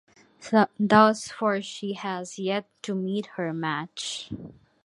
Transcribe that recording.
Thus far she has yet to meet her match.